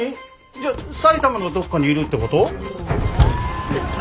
じゃあ埼玉のどこかにいるってこと？